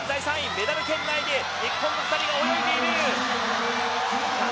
メダル圏内で日本の２人が泳いでいる！